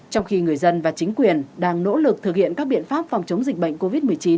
trong khi người dân và chính quyền đang nỗ lực thực hiện các biện pháp phòng chống dịch bệnh covid một mươi chín